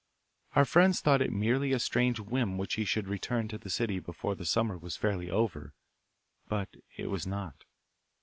Our friends thought it merely a strange whim that he should return to the city before the summer was fairly over, but it was not.